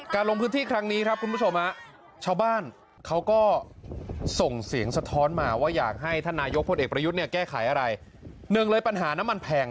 การลงพื้นที่ครั้งนี้ครับคุณผู้ชม